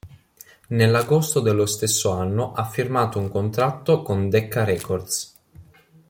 Nell'agosto dello stesso anno ha firmato un contratto con Decca Records.